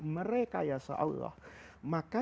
merekayasa allah maka